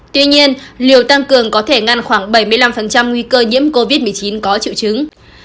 tuy nhiên liều tăng cường có thể ngăn khoảng bảy mươi năm nguy cơ nhiễm covid một mươi chín có triệu chứng